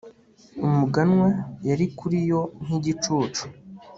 umuganwa yari kuri yo nk'igicucu